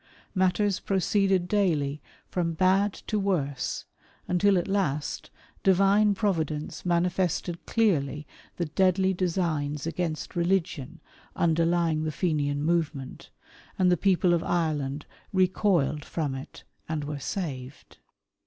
Matters proceeded daily from bad to worse, until at last Divine Providence manifested clearly the deadly designs against religion underlying the Fenian movement, and the people of Ireland recoiled from it and were saved.